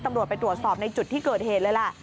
ตำรวจไปตรวจสอบในจุดที่เกิดเหตุเลยล่ะ